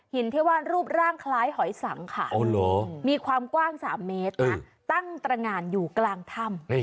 ที่ว่ารูปร่างคล้ายหอยสังค่ะมีความกว้าง๓เมตรนะตั้งตรงานอยู่กลางถ้ำ